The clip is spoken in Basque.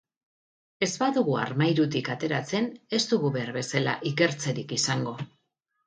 Ez badugu armairutik ateratzen, ez dugu behar bezala ikertzerik izango.